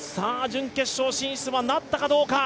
準決勝進出はなったかどうか。